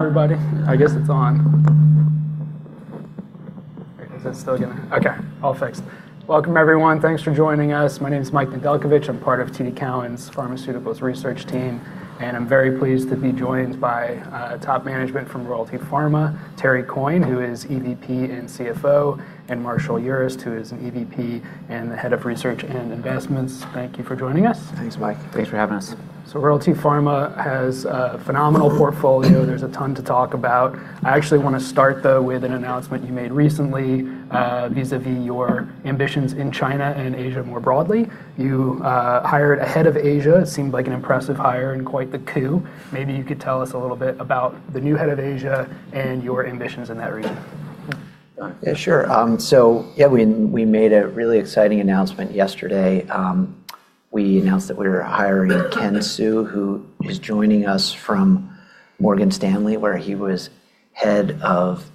Everybody? I guess it's on. Okay, all fixed. Welcome, everyone. Thanks for joining us. My name's Michael Schmidt. I'm part of TD Cowen's Pharmaceuticals Research team. I'm very pleased to be joined by top management from Royalty Pharma, Terry Coyne, who is EVP and CFO, and Marshall Urist, who is an EVP and the Head of Research & Investments. Thank you for joining us. Thanks, Mike. Thanks for having us. Royalty Pharma has a phenomenal portfolio. There's a ton to talk about. I actually wanna start, though, with an announcement you made recently vis-à-vis your ambitions in China and Asia more broadly. You hired a head of Asia. It seemed like an impressive hire and quite the coup. Maybe you could tell us a little bit about the new head of Asia and your ambitions in that region. Yeah, sure. We made a really exciting announcement yesterday. We announced that we were hiring Ken Xuan, who is joining us from Morgan Stanley, where he was head of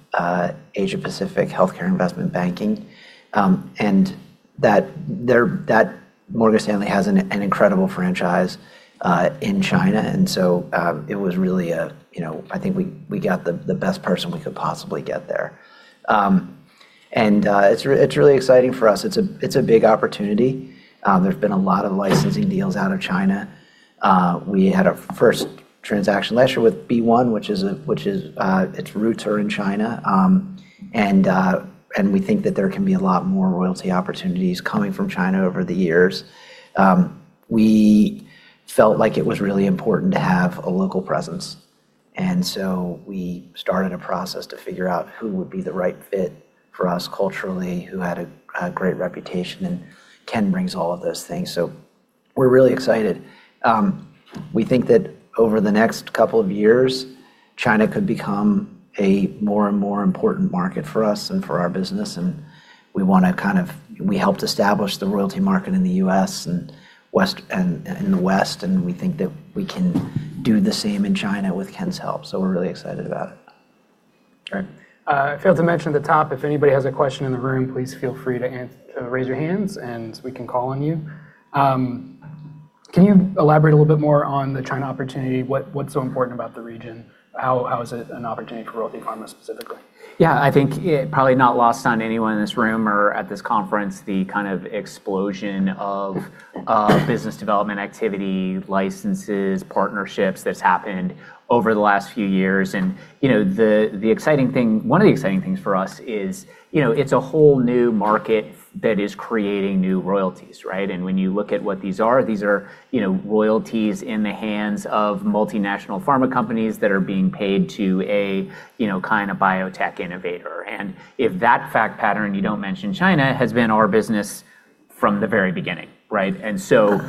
Asia Pacific Healthcare Investment Banking. That Morgan Stanley has an incredible franchise in China. It was really, you know, I think we got the best person we could possibly get there. It's really exciting for us. It's a big opportunity. There's been a lot of licensing deals out of China. We had our first transaction last year with BeiGene, which is its roots are in China. We think that there can be a lot more royalty opportunities coming from China over the years. We felt like it was really important to have a local presence, and so we started a process to figure out who would be the right fit for us culturally, who had a great reputation, and Ken brings all of those things. We're really excited. We think that over the next couple of years, China could become a more and more important market for us and for our business. We helped establish the royalty market in the U.S. and in the West, and we think that we can do the same in China with Ken's help, so we're really excited about it. Great. I failed to mention at the top, if anybody has a question in the room, please feel free to raise your hands, and we can call on you. Can you elaborate a little bit more on the China opportunity? What's so important about the region? How is it an opportunity for Royalty Pharma specifically? Yeah. I think it probably not lost on anyone in this room or at this conference the kind of explosion of business development activity, licenses, partnerships that's happened over the last few years and, you know, one of the exciting things for us is, you know, it's a whole new market that is creating new royalties, right? When you look at what these are, these are, you know, royalties in the hands of multinational pharma companies that are being paid to a, you know, kind of biotech innovator. If that fact pattern, you don't mention China, has been our business from the very beginning, right? You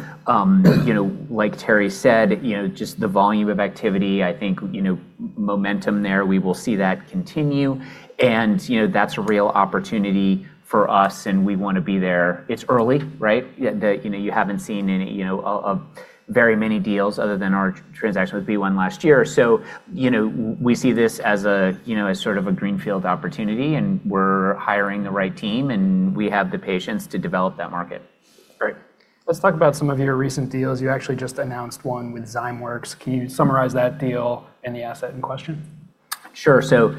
know, like Terry said, you know, just the volume of activity, I think, you know, momentum there, we will see that continue and, you know, that's a real opportunity for us, and we wanna be there. It's early, right? The, you know, you haven't seen any, you know, a, very many deals other than our transaction with BeiGene last year. you know, we see this as a, you know, as sort of a greenfield opportunity, and we're hiring the right team, and we have the patience to develop that market. Great. Let's talk about some of your recent deals. You actually just announced one with Zymeworks. Can you summarize that deal and the asset in question? Sure.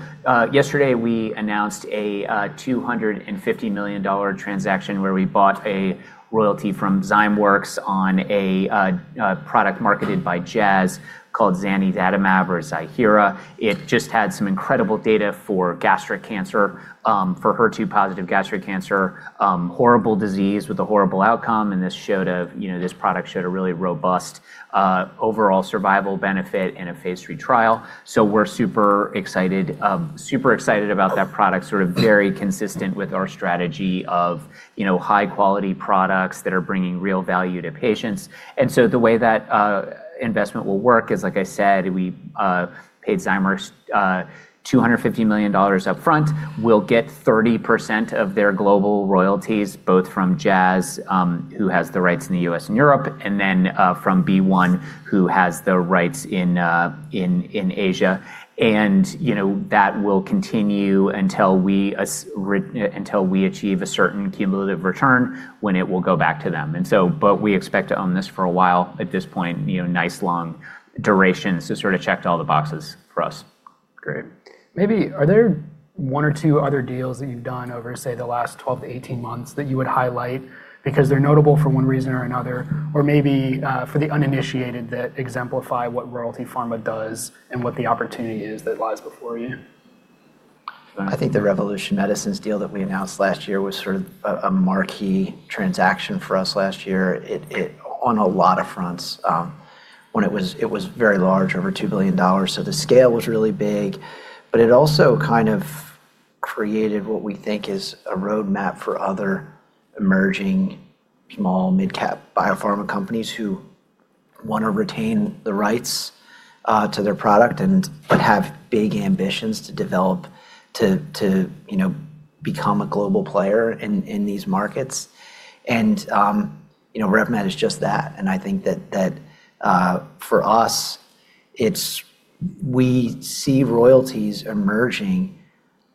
Yesterday we announced a $250 million transaction where we bought a royalty from Zymeworks on a product marketed by Jazz called zanidatamab or Ziihera. It just had some incredible data for gastric cancer for HER2 positive gastric cancer. Horrible disease with a horrible outcome, this product showed a really robust overall survival benefit in a phase III trial. We're super excited about that product, sort of very consistent with our strategy of, you know, high-quality products that are bringing real value to patients. The way that investment will work is, like I said, we paid Zymeworks $250 million upfront. We'll get 30% of their global royalties both from Jazz, who has the rights in the U.S. and Europe, then from BeiGene, who has the rights in Asia. You know, that will continue until we until we achieve a certain cumulative return, when it will go back to them. But we expect to own this for a while at this point, you know, nice, long duration. Sort of checked all the boxes for us. Great. Maybe are there one or two other deals that you've done over, say, the last 12-18 months that you would highlight because they're notable for one reason or another, or maybe, for the uninitiated, that exemplify what Royalty Pharma does and what the opportunity is that lies before you? I think the Revolution Medicines deal that we announced last year was sort of a marquee transaction for us last year. It on a lot of fronts, it was very large, over $2 billion, so the scale was really big. It also kind of created what we think is a roadmap for other emerging small, mid-cap biopharma companies who want to retain the rights to their product and, but have big ambitions to develop, you know, become a global player in these markets. You know, RevMed is just that, and I think that, for us, we see royalties emerging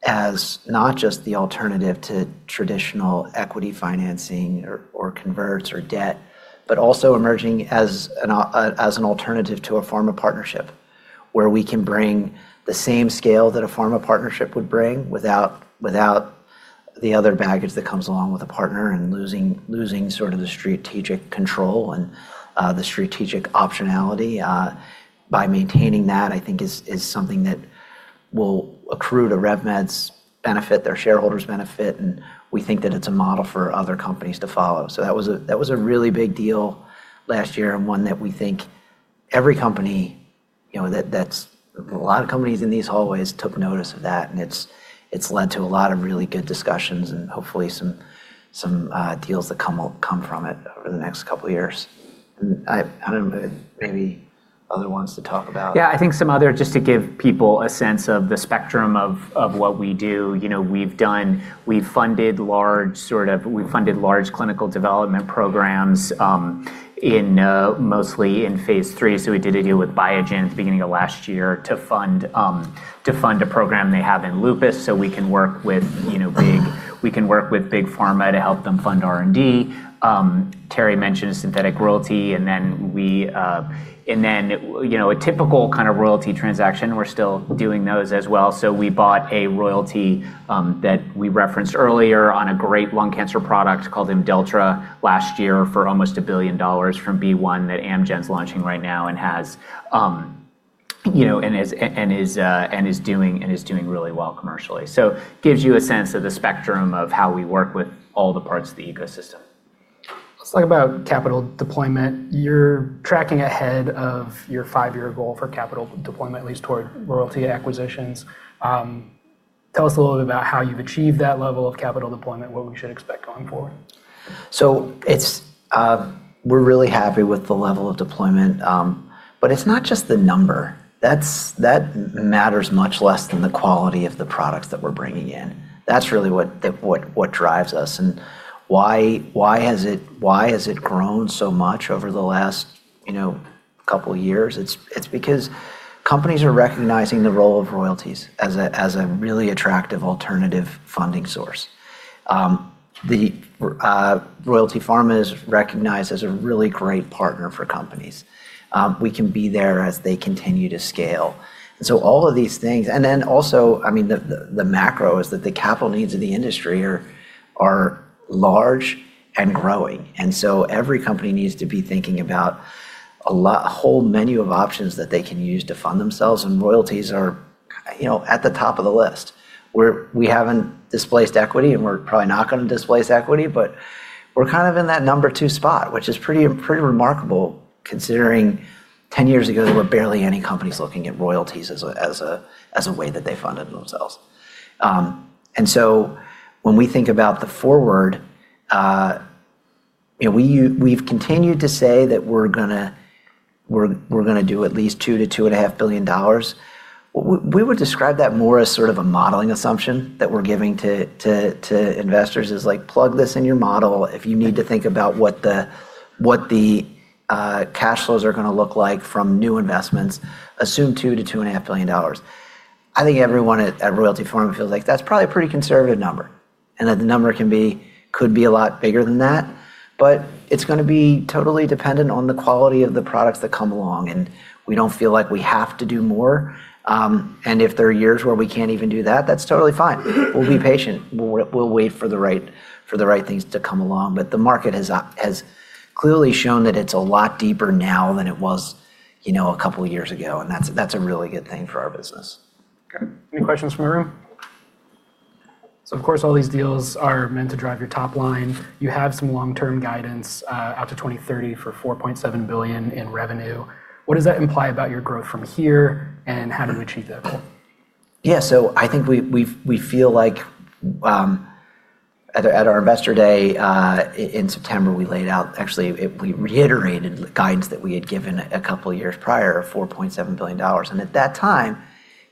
as not just the alternative to traditional equity financing or converts or debt, but also emerging as an, as an alternative to a pharma partnership where we can bring the same scale that a pharma partnership would bring without the other baggage that comes along with a partner and losing sort of the strategic control and, the strategic optionality. By maintaining that, I think is something that will accrue to RevMed's benefit, their shareholders' benefit, and we think that it's a model for other companies to follow. That was a really big deal last year and one that we think every company, you know, that's... A lot of companies in these hallways took notice of that, and it's led to a lot of really good discussions and hopefully some deals that come from it over the next two years. I don't know if maybe other ones to talk about. I think some other just to give people a sense of the spectrum of what we do. You know, we've funded large clinical development programs, mostly in phase III. We did a deal with Biogen at the beginning of last year to fund a program they have in lupus, so we can work with, you know, big pharma to help them fund R&D. Terry mentioned synthetic royalty, and then we, and then, you know, a typical kind of royalty transaction, we're still doing those as well. We bought a royalty, that we referenced earlier on a great lung cancer product called Imdelltra last year for almost $1 billion from BeiGene that Amgen's launching right now and has, you know, and is doing really well commercially. Gives you a sense of the spectrum of how we work with all the parts of the ecosystem. Let's talk about capital deployment. You're tracking ahead of your five-year goal for capital deployment, at least toward royalty acquisitions. Tell us a little bit about how you've achieved that level of capital deployment, what we should expect going forward. It's, we're really happy with the level of deployment, but it's not just the number. That's, that matters much less than the quality of the products that we're bringing in. That's really what the what drives us and why has it grown so much over the last, you know, couple years. It's, it's because companies are recognizing the role of royalties as a, as a really attractive alternative funding source. The Royalty Pharma is recognized as a really great partner for companies. We can be there as they continue to scale. All of these things... Also, I mean, the, the macro is that the capital needs of the industry are large and growing. Every company needs to be thinking about a whole menu of options that they can use to fund themselves, and royalties are, you know, at the top of the list. We haven't displaced equity, and we're probably not gonna displace equity, but we're kind of in that number two spot, which is pretty remarkable considering 10 years ago, there were barely any companies looking at royalties as a way that they funded themselves. When we think about the forward, you know, we've continued to say that we're gonna do at least $2 billion-$2.5 billion. We would describe that more as sort of a modeling assumption that we're giving to investors is like, plug this in your model if you need to think about what the cash flows are gonna look like from new investments, assume $2 billion to two and a half billion dollars. I think everyone at Royalty Pharma feels like that's probably a pretty conservative number, and that the number could be a lot bigger than that. It's gonna be totally dependent on the quality of the products that come along, and we don't feel like we have to do more. If there are years where we can't even do that's totally fine. We'll be patient. We'll wait for the right things to come along. The market has clearly shown that it's a lot deeper now than it was, you know, a couple years ago, and that's a really good thing for our business. Okay. Any questions from the room? Of course, all these deals are meant to drive your top line. You have some long-term guidance out to 2030 for $4.7 billion in revenue. What does that imply about your growth from here, and how do we achieve that goal? I think we feel like, at our Investor Day in September, we laid out. Actually, we reiterated the guidance that we had given a couple years prior, $4.7 billion. At that time,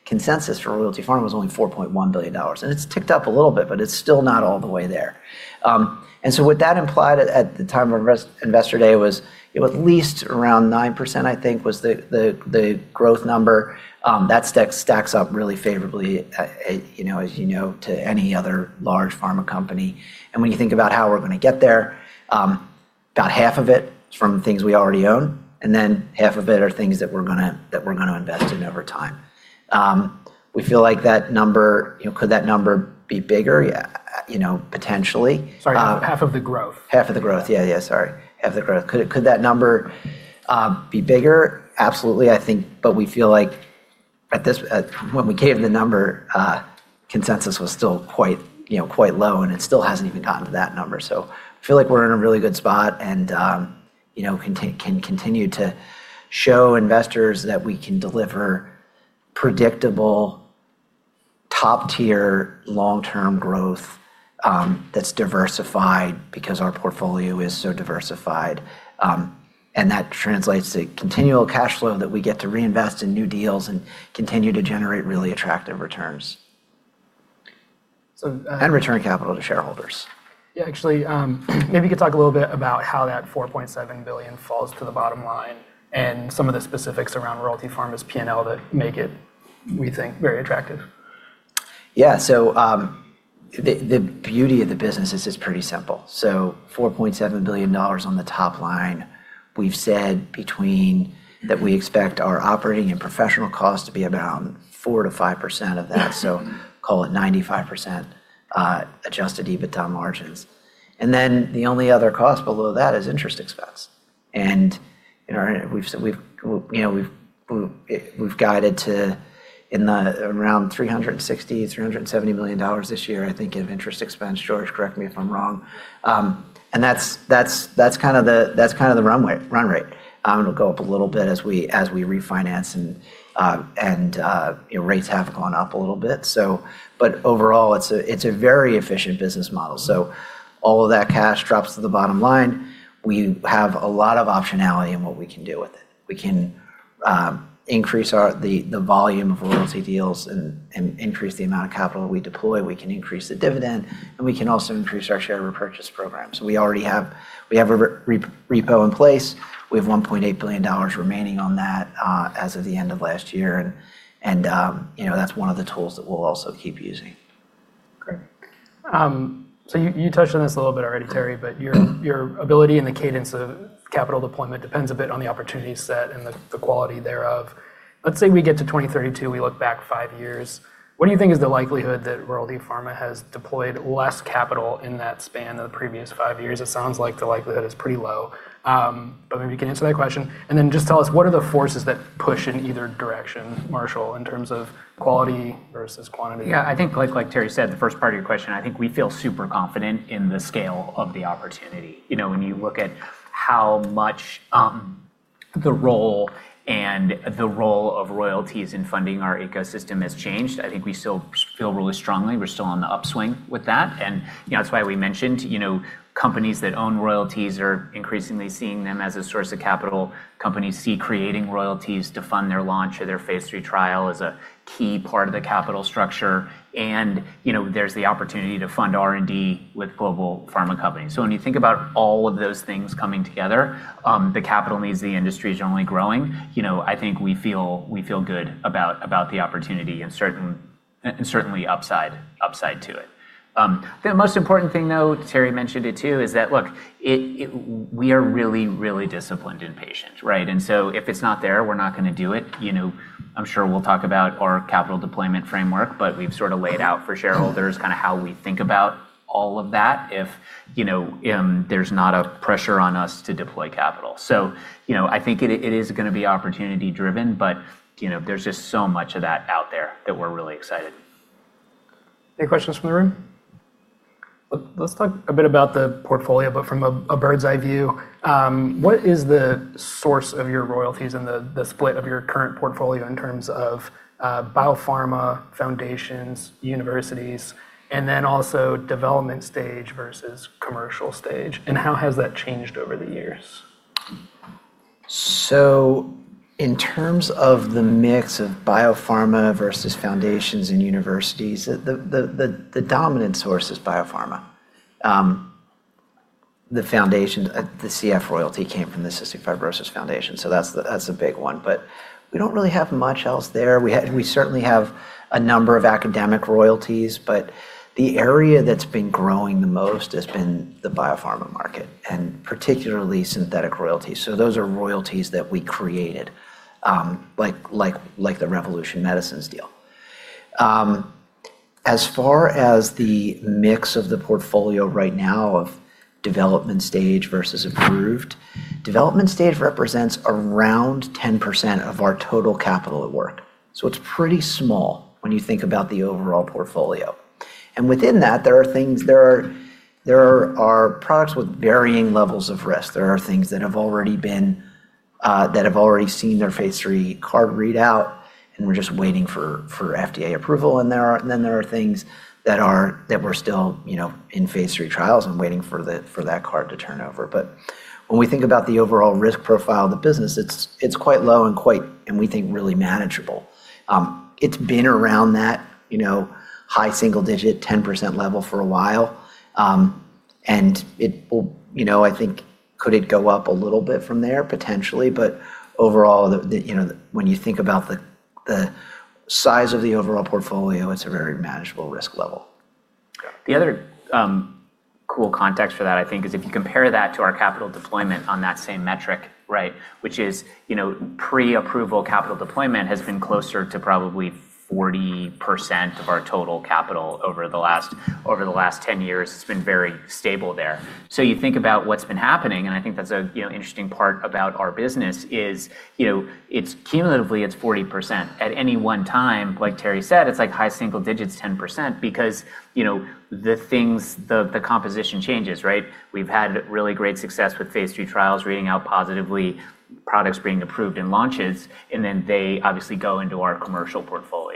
consensus for Royalty Pharma was only $4.1 billion. It's ticked up a little bit, but it's still not all the way there. What that implied at the time of Investor Day was at least around 9%, I think, was the growth number. That stacks up really favorably, you know, as you know, to any other large pharma company. When you think about how we're gonna get there, about half of it is from things we already own, and then half of it are things that we're gonna invest in over time. We feel like that number, you know, could that number be bigger? Yeah, you know, potentially. Sorry. Half of the growth. Half of the growth. Yeah. Yeah. Sorry. Half of the growth. Could that number be bigger? Absolutely, I think, but we feel like at this when we gave the number, consensus was still quite, you know, quite low, and it still hasn't even gotten to that number. Feel like we're in a really good spot and, you know, can continue to show investors that we can deliver predictable, top-tier, long-term growth that's diversified because our portfolio is so diversified. That translates to continual cash flow that we get to reinvest in new deals and continue to generate really attractive returns. So, uh- Return capital to shareholders. Actually, maybe you could talk a little bit about how that $4.7 billion falls to the bottom line, and some of the specifics around Royalty Pharma's P&L that make it, we think, very attractive. Yeah, the beauty of the business is it's pretty simple. $4.7 billion on the top line. We've said that we expect our operating and professional costs to be about 4%-5% of that, so call it 95% Adjusted EBITDA margins. The only other cost below that is interest expense. You know, we've guided to, in the around $360 million-$370 million this year, I think, of interest expense. George, correct me if I'm wrong. That's kind of the run rate. It'll go up a little bit as we refinance and, you know, rates have gone up a little bit, so. Overall, it's a very efficient business model. All of that cash drops to the bottom line. We have a lot of optionality in what we can do with it. We can increase our the volume of royalty deals and increase the amount of capital we deploy, we can increase the dividend, and we can also increase our share repurchase program. We already have a repo in place. We have $1.8 billion remaining on that as of the end of last year and, you know, that's one of the tools that we'll also keep using. Great. So you touched on this a little bit already, Terry, but your ability and the cadence of capital deployment depends a bit on the opportunity set and the quality thereof. Let's say we get to 2032, we look back five years. What do you think is the likelihood that Royalty Pharma has deployed less capital in that span of the previous five years? It sounds like the likelihood is pretty low. Maybe you can answer that question, and then just tell us what are the forces that push in either direction, Marshall, in terms of quality versus quantity? Yeah. I think like Terry said, the first part of your question, I think we feel super confident in the scale of the opportunity. You know, when you look at how much the role of royalties in funding our ecosystem has changed, I think we still feel really strongly we're still on the upswing with that. You know, that's why we mentioned, you know, companies that own royalties are increasingly seeing them as a source of capital. Companies see creating royalties to fund their launch or their phase III trial as a key part of the capital structure, you know, there's the opportunity to fund R&D with global pharma companies. When you think about all of those things coming together, the capital needs of the industry is only growing. You know, I think we feel good about the opportunity and certainly upside to it. The most important thing though, Terry mentioned it too, is that look, we are really disciplined and patient, right? If it's not there, we're not gonna do it. You know, I'm sure we'll talk about our capital deployment framework, we've sort of laid out for shareholders kind of how we think about all of that if, you know, there's not a pressure on us to deploy capital. You know, I think it is gonna be opportunity driven, you know, there's just so much of that out there that we're really excited. Any questions from the room? Let's talk a bit about the portfolio, but from a bird's eye view. What is the source of your royalties and the split of your current portfolio in terms of biopharma, foundations, universities, and then also development stage versus commercial stage, and how has that changed over the years? In terms of the mix of biopharma versus foundations and universities, the dominant source is biopharma. The foundation, the CF royalty came from the Cystic Fibrosis Foundation, that's a big one, but we don't really have much else there. We certainly have a number of academic royalties, but the area that's been growing the most has been the biopharma market, and particularly synthetic royalties. Those are royalties that we created, like the Revolution Medicines deal. As far as the mix of the portfolio right now of development stage versus approved, development stage represents around 10% of our total capital at work. It's pretty small when you think about the overall portfolio. Within that, there are things. There are products with varying levels of risk. There are things that have already seen their phase III card read out, and we're just waiting for FDA approval. There are things that we're still, you know, in phase III trials and waiting for that card to turn over. When we think about the overall risk profile of the business, it's quite low and quite, and we think really manageable. It's been around that, you know, high single digit, 10% level for a while. It will, you know, I think could it go up a little bit from there? Potentially. Overall, the, you know, when you think about the size of the overall portfolio, it's a very manageable risk level. Okay. The other cool context for that, I think, is if you compare that to our capital deployment on that same metric, right? Which is, you know, pre-approval capital deployment has been closer to probably 40% of our total capital over the last, over the last 10 years. It's been very stable there. You think about what's been happening, and I think that's a, you know, interesting part about our business is, you know, it's cumulatively it's 40%. At any one time, like Terry said, it's like high single digits, 10%, because, you know, the things, the composition changes, right? We've had really great success with phase III trials reading out positively, products being approved and launches, and then they obviously go into our commercial portfolio.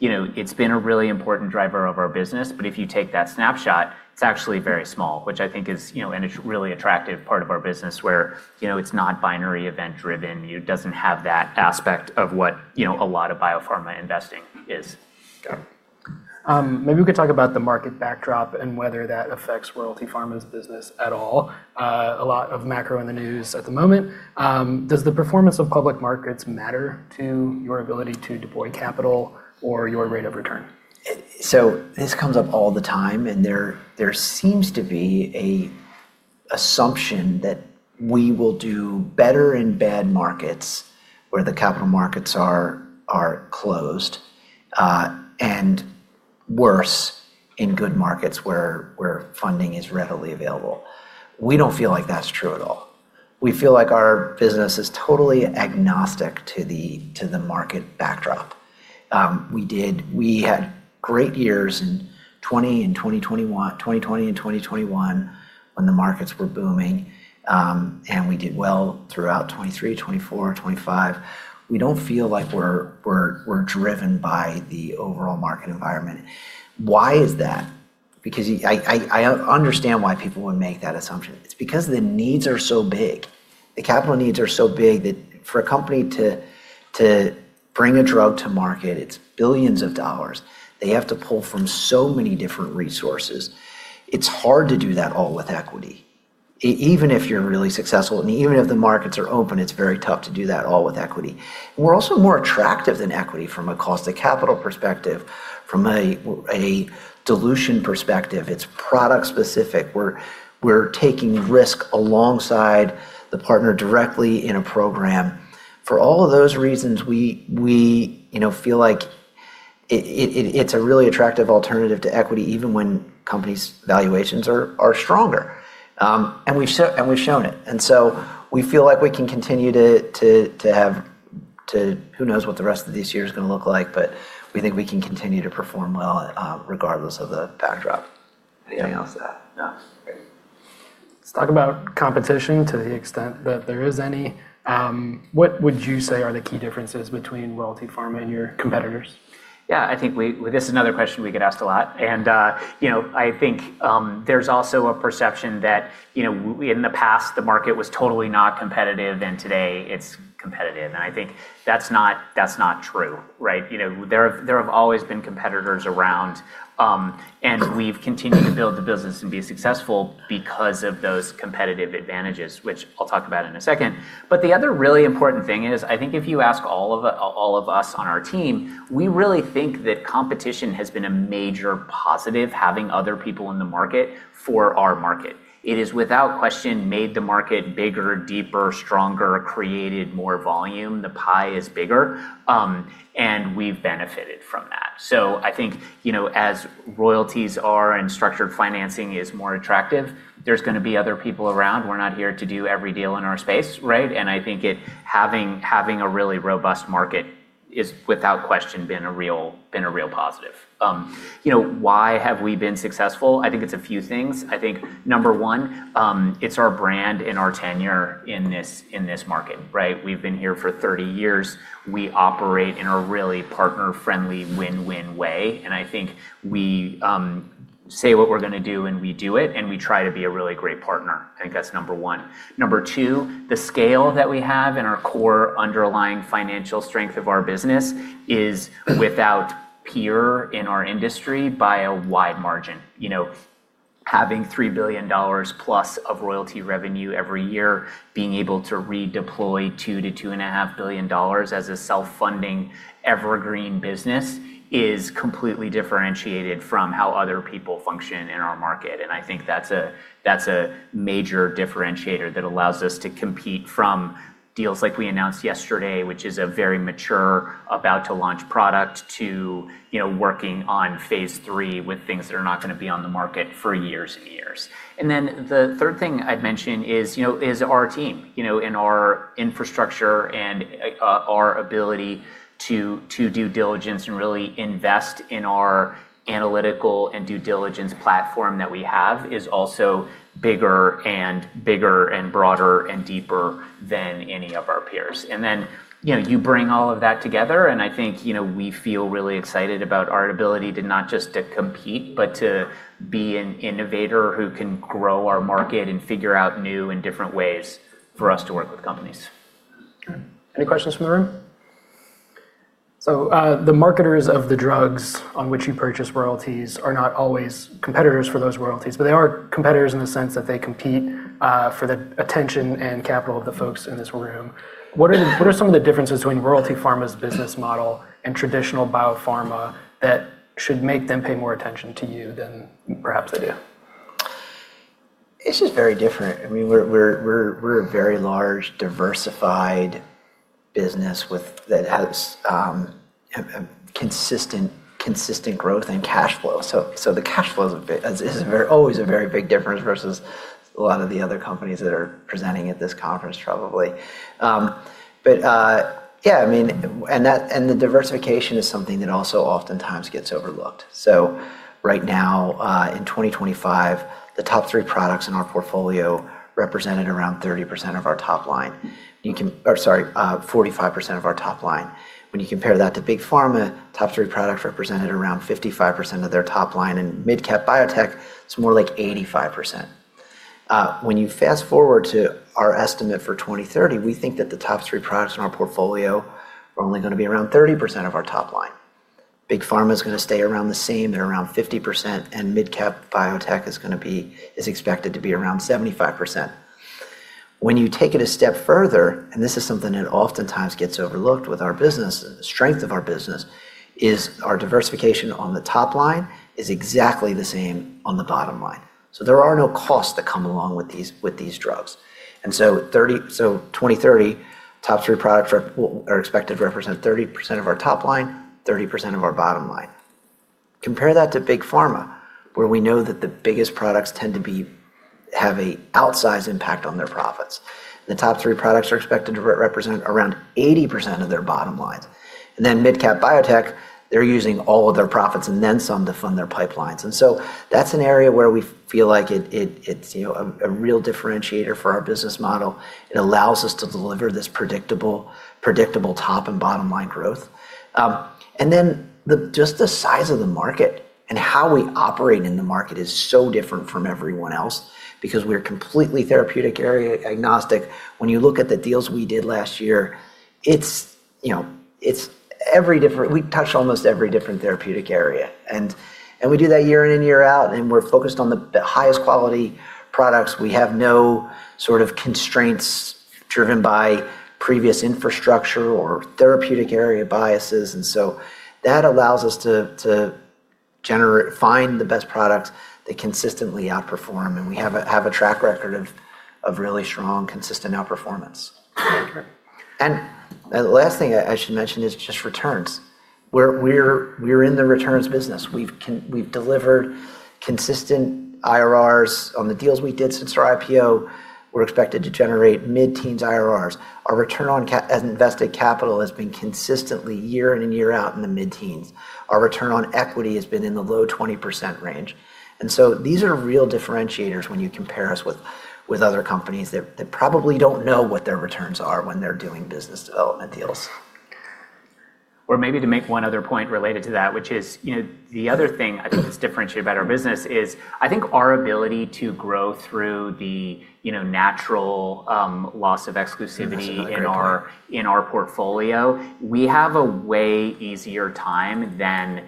You know, it's been a really important driver of our business, but if you take that snapshot, it's actually very small, which I think is, you know, and it's really attractive part of our business where, you know, it's not binary event driven. You know, it doesn't have that aspect of what, you know, a lot of biopharma investing is. Sure. Maybe we could talk about the market backdrop and whether that affects Royalty Pharma's business at all. A lot of macro in the news at the moment. Does the performance of public markets matter to your ability to deploy capital or your rate of return? This comes up all the time, and there seems to be an assumption that we will do better in bad markets where the capital markets are closed, and worse in good markets where funding is readily available. We don't feel like that's true at all. We feel like our business is totally agnostic to the market backdrop. We had great years in 2020 and 2021 when the markets were booming, and we did well throughout 2023, 2024, and 2025. We don't feel like we're driven by the overall market environment. Why is that? Because I understand why people would make that assumption. It's because the needs are so big. The capital needs are so big that for a company to bring a drug to market, it's billions of dollars. They have to pull from so many different resources. It's hard to do that all with equity. Even if you're really successful and even if the markets are open, it's very tough to do that all with equity. We're also more attractive than equity from a cost to capital perspective, from a dilution perspective. It's product specific. We're taking risk alongside the partner directly in a program. For all of those reasons, we, you know, feel like it's a really attractive alternative to equity even when companies' valuations are stronger. We've shown it. So we feel like we can continue. Who knows what the rest of this year's gonna look like? We think we can continue to perform well, regardless of the backdrop. Anything else to add? No. Okay. Let's talk about competition to the extent that there is any. What would you say are the key differences between Royalty Pharma and your competitors? I think this is another question we get asked a lot. I think there's also a perception that in the past, the market was totally not competitive, and today it's competitive, and I think that's not true, right? You know, there have always been competitors around, and we've continued to build the business and be successful because of those competitive advantages, which I'll talk about in a second. The other really important thing is, I think if you ask all of us on our team, we really think that competition has been a major positive, having other people in the market for our market. It has, without question, made the market bigger, deeper, stronger, created more volume. The pie is bigger, and we've benefited from that. I think, you know, as royalties are and structured financing is more attractive, there's gonna be other people around. We're not here to do every deal in our space, right? I think having a really robust market is, without question, been a real positive. You know, why have we been successful? I think it's a few things. I think number one, it's our brand and our tenure in this market, right? We've been here for 30 years. We operate in a really partner-friendly, win-win way, and I think we say what we're gonna do, and we do it, and we try to be a really great partner. I think that's number one. Number two, the scale that we have and our core underlying financial strength of our business is without peer in our industry by a wide margin. You know, having $3 billion plus of royalty revenue every year, being able to redeploy $2 billion-$2.5 billion as a self-funding evergreen business is completely differentiated from how other people function in our market, and I think that's a, that's a major differentiator that allows us to compete from deals like we announced yesterday, which is a very mature, about to launch product, to, you know, working on phase III with things that are not gonna be on the market for years and years. The third thing I'd mention is, you know, is our team. Our infrastructure and our ability to due diligence and really invest in our analytical and due diligence platform that we have is also bigger and bigger and broader and deeper than any of our peers. You know, you bring all of that together, and I think, you know, we feel really excited about our ability to not just to compete, but to be an innovator who can grow our market and figure out new and different ways for us to work with companies. Okay. Any questions from the room? The marketers of the drugs on which you purchase royalties are not always competitors for those royalties, but they are competitors in the sense that they compete for the attention and capital of the folks in this room. What are some of the differences between Royalty Pharma's business model and traditional biopharma that should make them pay more attention to you than perhaps they do? It's just very different. I mean, we're a very large, diversified business that has a consistent growth and cash flow. The cash flow is always a very big difference versus a lot of the other companies that are presenting at this conference probably. I mean, and the diversification is something that also oftentimes gets overlooked. Right now, in 2025, the top three products in our portfolio represented around 30% of our top line. Or sorry, 45% of our top line. When you compare that to big pharma, top three products represented around 55% of their top line. In midcap biotech, it's more like 85%. When you fast-forward to our estimate for 2030, we think that the top three products in our portfolio are only gonna be around 30% of our top line. Big pharma's gonna stay around the same. They're around 50%, and mid-cap biotech is expected to be around 75%. When you take it a step further, and this is something that oftentimes gets overlooked with our business, the strength of our business, is our diversification on the top line is exactly the same on the bottom line, so there are no costs that come along with these drugs. 2030, top three products are expected to represent 30% of our top line, 30% of our bottom line. Compare that to big pharma, where we know that the biggest products tend to have an outsized impact on their profits. The top 3 products are expected to represent around 80% of their bottom line. Mid-cap biotech, they're using all of their profits and then some to fund their pipelines, that's an area where we feel like it's, you know, a real differentiator for our business model. It allows us to deliver this predictable top and bottom line growth. Just the size of the market and how we operate in the market is so different from everyone else because we're completely therapeutic area agnostic. When you look at the deals we did last year, you know, we touched almost every different therapeutic area. We do that year in and year out, and we're focused on the highest quality products. We have no sort of constraints driven by previous infrastructure or therapeutic area biases. That allows us to find the best products that consistently outperform, and we have a track record of really strong consistent outperformance. Great. The last thing I should mention is just returns. We're in the returns business. We've delivered consistent IRRs on the deals we did since our IPO. We're expected to generate mid-teens IRRs. Our return on invested capital has been consistently year in and year out in the mid-teens. Our return on equity has been in the low 20% range. These are real differentiators when you compare us with other companies that probably don't know what their returns are when they're doing business development deals. Maybe to make one other point related to that, which is, you know, the other thing I think that's differentiated about our business is I think our ability to grow through the, you know, natural loss of exclusivity. That's another great point. ...in our portfolio. We have a way easier time than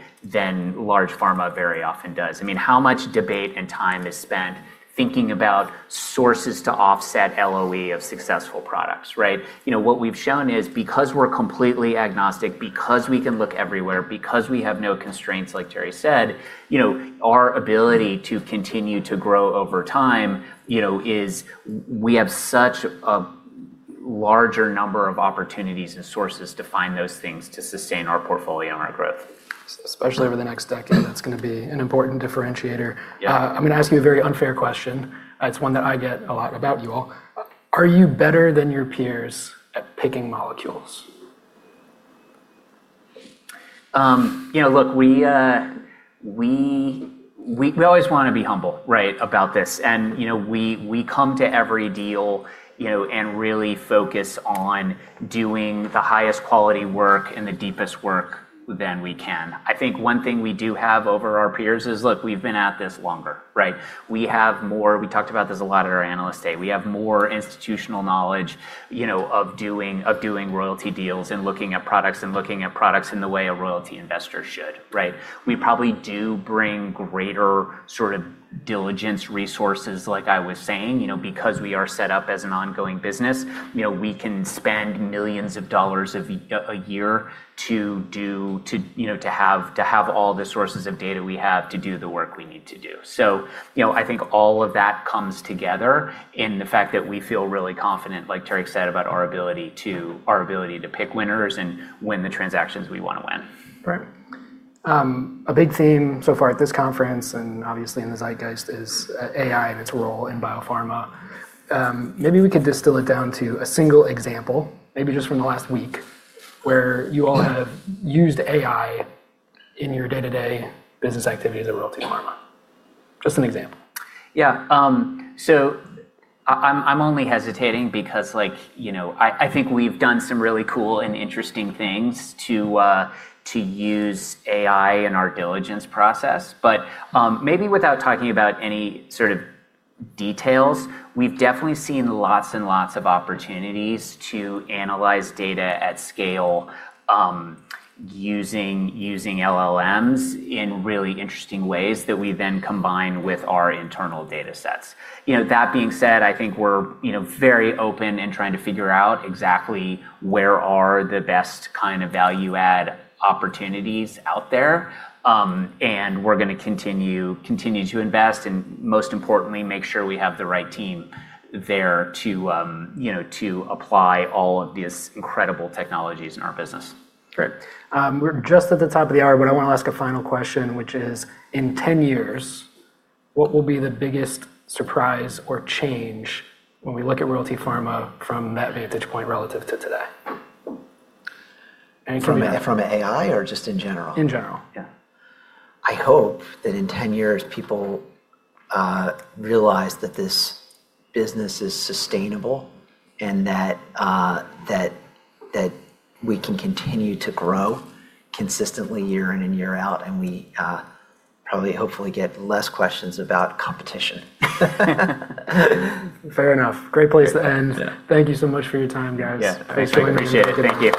large pharma very often does. I mean, how much debate and time is spent thinking about sources to offset LOE of successful products, right? You know, what we've shown is because we're completely agnostic, because we can look everywhere, because we have no constraints, like Terry said, you know, our ability to continue to grow over time, you know, we have such a larger number of opportunities and sources to find those things to sustain our portfolio and our growth. Especially over the next decade, that's gonna be an important differentiator. Yeah. I'm gonna ask you a very unfair question. It's one that I get a lot about you all. Are you better than your peers at picking molecules? You know, look, we always wanna be humble, right, about this. You know, we come to every deal, you know, and really focus on doing the highest quality work and the deepest work than we can. I think one thing we do have over our peers is, look, we've been at this longer, right? We have more. We talked about this a lot at our Analyst Day. We have more institutional knowledge, you know, of doing royalty deals and looking at products, looking at products in the way a royalty investor should, right? We probably do bring greater sort of diligence resources, like I was saying. You know, because we are set up as an ongoing business, you know, we can spend millions of dollars a year to do, you know, to have all the sources of data we have to do the work we need to do. You know, I think all of that comes together in the fact that we feel really confident, like Terry said, about our ability to pick winners and win the transactions we wanna win. Right. A big theme so far at this conference, and obviously in the zeitgeist, is AI and its role in biopharma. Maybe we could distill it down to a single example, maybe just from the last week, where you all have used AI in your day-to-day business activity as a Royalty Pharma. Just an example. Yeah. I'm only hesitating because, like, you know, I think we've done some really cool and interesting things to use AI in our diligence process, but maybe without talking about any sort of details, we've definitely seen lots and lots of opportunities to analyze data at scale, using LLMs in really interesting ways that we then combine with our internal datasets. You know, that being said, I think we're, you know, very open in trying to figure out exactly where are the best kind of value add opportunities out there, we're gonna continue to invest and, most importantly, make sure we have the right team there to, you know, to apply all of these incredible technologies in our business. Great. We're just at the top of the hour, but I wanna ask a final question, which is: In 10 years, what will be the biggest surprise or change when we look at Royalty Pharma from that vantage point relative to today? Any of you. From AI or just in general? In general. Yeah. I hope that in 10 years people realize that this business is sustainable and that we can continue to grow consistently year in and year out, and we probably hopefully get less questions about competition. Fair enough. Great place to end. Yeah. Thank you so much for your time, guys. Yeah. Thanks for having us. Greatly appreciate it. Thank you.